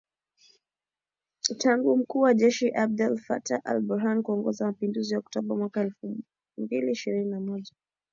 tangu mkuu wa jeshi Abdel Fattah al-Burhan kuongoza mapinduzi yaOKtoba mwaka wa elfu mbiliishirini na moja.